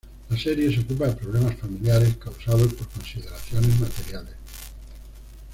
La serie se ocupa de problemas familiares causados por consideraciones materiales.